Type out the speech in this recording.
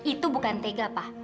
itu bukan tega pa